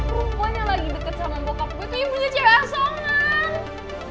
perempuan yang lagi deket sama bokap gue tuh yang punya cewek asongan